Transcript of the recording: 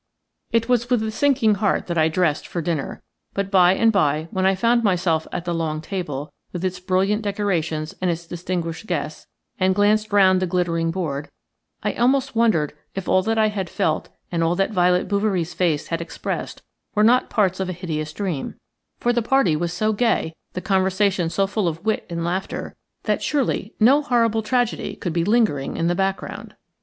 It was with a sinking heart that I dressed for dinner, but by and by, when I found myself at the long table, with its brilliant decorations and its distinguished guests, and glanced round the glittering board, I almost wondered if all that I had felt and all that Violet Bouverie's face had expressed were not parts of a hideous dream; for the party was so gay, the conversation so full of wit and laughter, that surely no horrible tragedy could be lingering in the background.